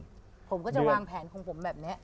ผมก็จะวางแผนของผมแบบนี้